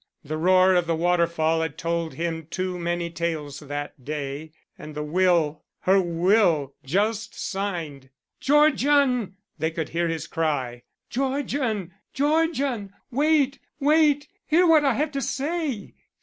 The roar of the waterfall had told him too many tales that day. And the will! Her will just signed! "Georgian!" They could hear his cry. "Georgian! Georgian! Wait! wait! hear what I have to say!"